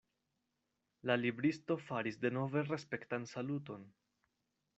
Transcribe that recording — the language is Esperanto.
La libristo faris denove respektan saluton.